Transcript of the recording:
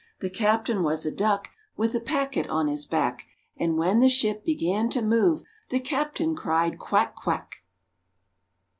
The captain was a duck, With a packet on his back; And when the ship began to move, The captain cried, "Quack, quack!"